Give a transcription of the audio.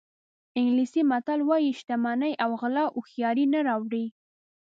انګلیسي متل وایي شتمني او غلا هوښیاري نه راوړي.